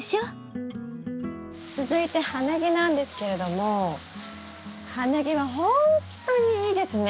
続いて葉ネギなんですけれども葉ネギはほんとにいいですね。